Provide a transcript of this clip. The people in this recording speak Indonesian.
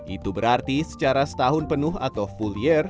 itu berarti secara setahun penuh atau full year